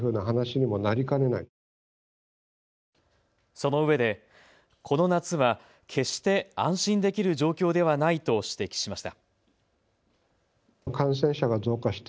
そのうえでこの夏は決して安心できる状況ではないと指摘しました。